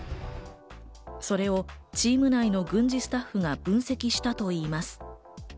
それをチーム内の軍事スタッフが分析したといいます。